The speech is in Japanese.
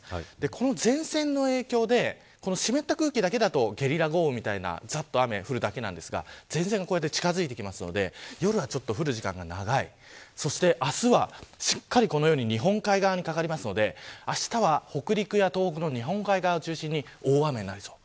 この前線の影響で、湿った空気だけだとゲリラ豪雨みたいなざっと雨が降るだけなんですが前線が近づいてくるので夜降る時間帯が長いそして明日はしっかりこのように日本海側にかかるのであしたは、北陸や東北の日本海側を中心に大雨になりそう。